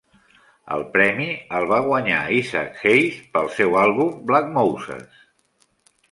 El premi el va guanyar l'Isaac Hayes pel seu àlbum "Black Moses".